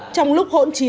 trong lúc hỗn trì